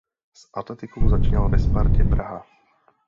S atletikou začínal ve Spartě Praha.